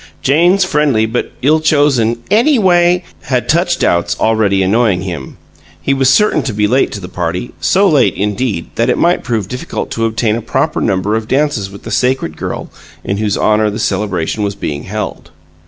Jane's friendly but ill chosen "ANYWAY" had touched doubts already annoying him. He was certain to be late to the party so late, indeed, that it might prove difficult to obtain a proper number of dances with the sacred girl in whose honor the celebration was being held.